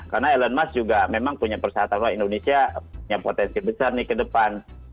karena elon musk juga memang punya persatuan bahwa indonesia punya potensi besar nih ke depan